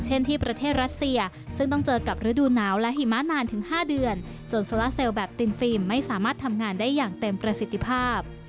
จนโซลาเซลแบบตินฟิล์มไม่สามารถทำงานได้อย่างเต็มประสิทธิภาพ